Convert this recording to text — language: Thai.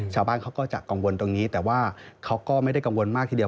ชาวบ้านเขาก็จะกังวลตรงนี้แต่ว่าเขาก็ไม่ได้กังวลมากทีเดียว